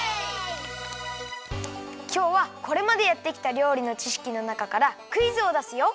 きょうはこれまでやってきた料理のちしきのなかからクイズをだすよ。